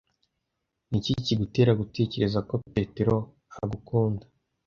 Niki kigutera gutekereza ko Petero agukunda?